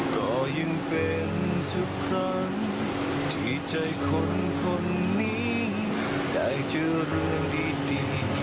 ก็ยังเป็นสักครั้งที่ใจคนคนนี้ได้เจอเรื่องดี